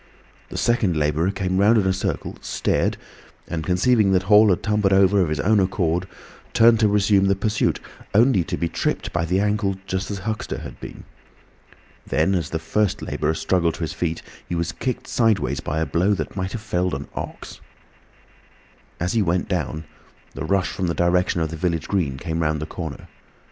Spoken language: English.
The second labourer came round in a circle, stared, and conceiving that Hall had tumbled over of his own accord, turned to resume the pursuit, only to be tripped by the ankle just as Huxter had been. Then, as the first labourer struggled to his feet, he was kicked sideways by a blow that might have felled an ox. As he went down, the rush from the direction of the village green came round the corner.